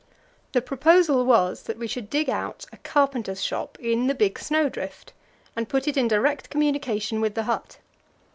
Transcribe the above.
The proposal was that we should dig out a carpenter's shop in the big snow drift, and put it in direct communication with the hut.